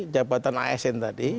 jabatan asn tadi